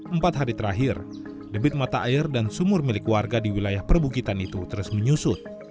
empat hari terakhir debit mata air dan sumur milik warga di wilayah perbukitan itu terus menyusut